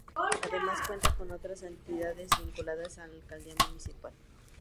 Además Cuenta con otras entidades, vinculadas a la alcaldía municipal.